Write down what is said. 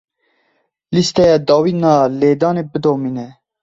Lîsteya dawîn a lêdanê bidomîne.